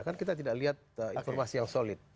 kan kita tidak lihat informasi yang solid